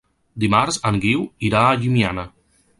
Dimarts en Guiu irà a Llimiana.